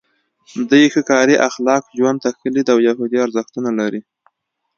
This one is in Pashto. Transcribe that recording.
دوی ښه کاري اخلاق، ژوند ته ښه لید او یهودي ارزښتونه لري.